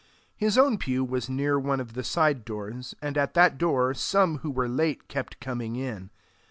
His own pew was near one of the side doors, and at that door some who were late kept coming in.